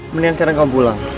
mendingan sekarang kamu pulang